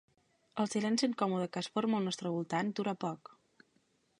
El silenci incòmode que es forma al nostre voltant dura poc.